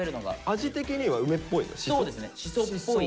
味的には梅っぽいの？